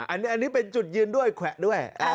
อันนี้เป็นจุดยืนด้วยแขวะด้วย